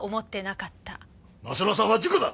鱒乃さんは事故だ！